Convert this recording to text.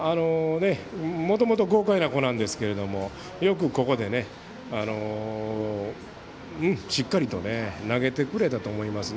もともと豪快な子ですがよくここでしっかりと投げてくれたと思います。